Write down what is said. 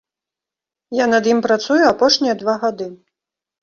Я над ім працую апошнія два гады.